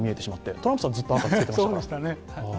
トランプさんがずっと赤をつけていましたから。